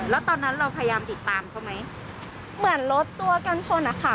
แล้วตอนนั้นเราพยายามติดตามเขาไหมเหมือนรถตัวกันชนอะค่ะ